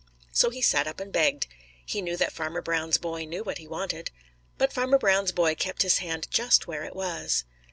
So he sat up and begged. He knew that Farmer Brown's boy knew what he wanted. But Farmer Brown's boy kept his hand just where it was.